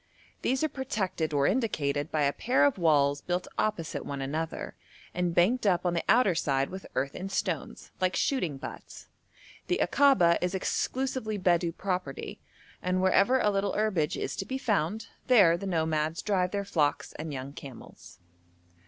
These are protected or indicated by a pair of walls built opposite one another, and banked up on the outer side with earth and stones, like shooting butts. The Akaba is exclusively Bedou property, and wherever a little herbage is to be found, there the nomads drive their flocks and young camels.